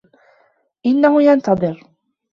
إنهُ ينتظر.